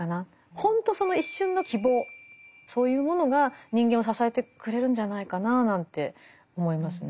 ほんとその一瞬の希望そういうものが人間を支えてくれるんじゃないかななんて思いますね。